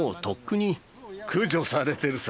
駆除されてるさ。